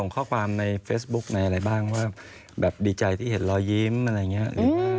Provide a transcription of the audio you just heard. ข้อความในเฟสบุ๊คอะไรบ้างว่าดีใจที่เห็นรอยยิ้ม